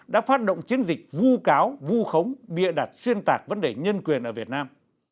đã phát động chiến dịch vu cáo vu khống bịa đặt xuyên tạc vấn đề nhân quyền ở việt nam